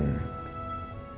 gak ada apa apa